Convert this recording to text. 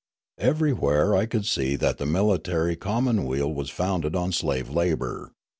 Everywhere I could see that the military commonweal was founded on slave labour.